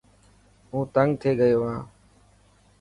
هون تنگ ٿيي گئي هان.